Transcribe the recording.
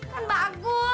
kan mbak agus